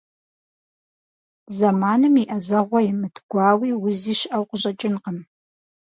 Зэманым и Ӏэзэгъуэ имыт гуауи узи щыӀэу къыщӀэкӀынкъым.